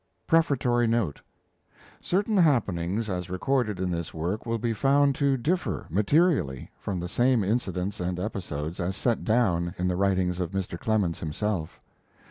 PREFATORY NOTE Certain happenings as recorded in this work will be found to differ materially from the same incidents and episodes as set down in the writings of Mr. Clemens himself.